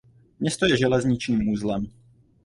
Město je železničním uzlem.